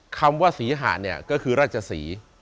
คำว่าศรีหะก็คือราชศรี